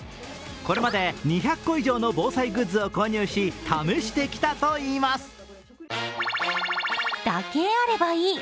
これまで２００個以上の防災グッズを購入し、試してきたといいます。